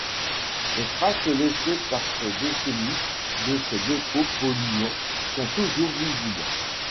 Les traces laissées par ces décennies de ces dépôts polluants sont toujours visibles.